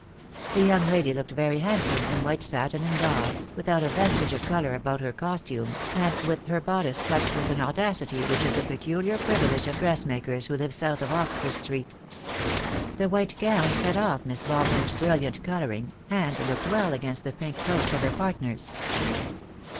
The young lady looked very hand some in white satin and gauze, without a vestige of colour about her costume, and with her bodice cut with an audacity which is the peculiar privilege of dressmakers who live south of Oxford Street. The white gown set off Miss Baldwin's brilliant colouring, and looked well against the pink coats of her partners.